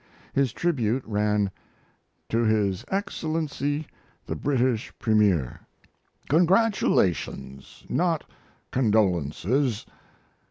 His tribute ran: To HIS EXCELLENCY THE BRITISH PREMIER, Congratulations, not condolences.